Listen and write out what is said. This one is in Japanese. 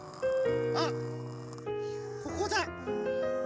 あっここだ。